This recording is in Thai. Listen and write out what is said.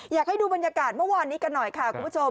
อยากให้ดูบรรยากาศเมื่อวานนี้กันหน่อยค่ะคุณผู้ชม